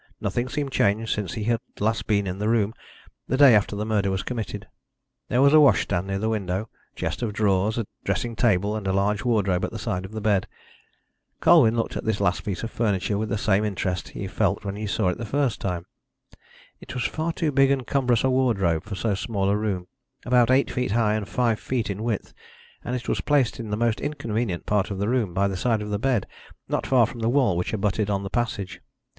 Nothing seemed changed since he had last been in the room, the day after the murder was committed. There was a washstand near the window, a chest of drawers, a dressing table and a large wardrobe at the side of the bed. Colwyn looked at this last piece of furniture with the same interest he had felt when he saw it the first time. It was far too big and cumbrous a wardrobe for so small a room, about eight feet high and five feet in width, and it was placed in the most inconvenient part of the room, by the side of the bed, not far from the wall which abutted on the passage.